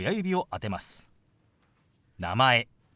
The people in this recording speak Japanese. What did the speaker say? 「名前」。